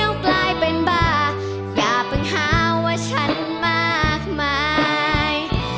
ว่าฉันมากมาย